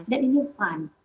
dan ini fun